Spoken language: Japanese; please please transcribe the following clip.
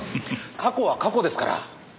過去は過去ですから。